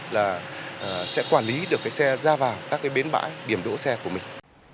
là sẽ quản lý được cái xe ra vào các cái bến bãi điểm đỗ xe của mình